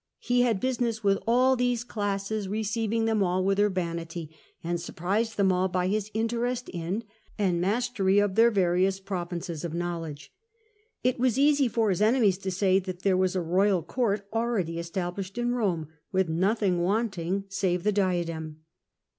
He had business with all these classes, received them all with urbanity, and surprised them all by his interest in and mastery of their various provinces of knowledge. It was easy for his enemies to say that there was a royal court already established in Eome, with nothing wanting save the diadem.